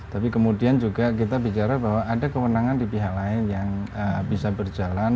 tapi kemudian juga kita bicara bahwa ada kewenangan di pihak lain yang bisa berjalan